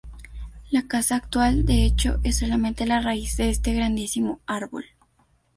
La Casa actual, de hecho, es solamente la raíz de este grandísimo árbol.